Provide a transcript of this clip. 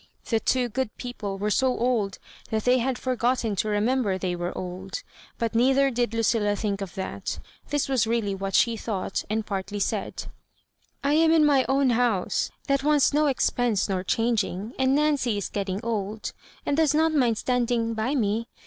The two good people were so old that they had for gotten to remember they were old. But neither did Lucilla think of that. This was really what she thought and partly said —" I am in my own house, that wants no expense nor changing, and Nanoy is getting old, and does not mind standing by me.